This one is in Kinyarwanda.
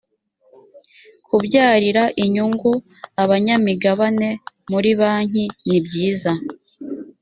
kubyarira inyungu abanyamigabane muri banki nibyiza